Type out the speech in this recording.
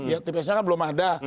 ya tps nya kan belum ada